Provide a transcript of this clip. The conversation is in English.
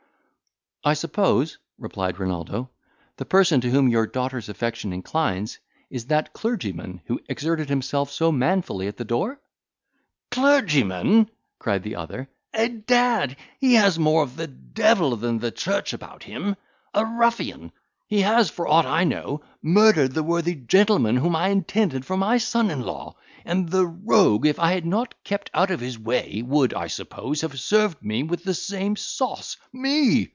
"I suppose," replied Renaldo, "the person to whom your daughter's affection inclines, is that clergyman who exerted himself so manfully at the door?" "Clergyman!" cried the other, "adad! he has more of the devil than the church about him. A ruffian! he has, for aught I know, murdered the worthy gentleman whom I intended for my son in law; and the rogue, if I had not kept out of his way, would, I suppose, have served me with the same sauce. Me!